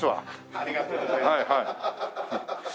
ありがとうございます。